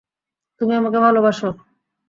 তুমি আমাকে ভালবাসো।